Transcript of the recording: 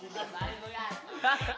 masa itu kan